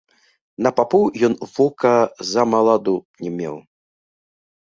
На папоў ён вока ззамаладу не меў.